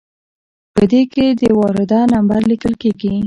په دې کې د وارده نمبر لیکل کیږي.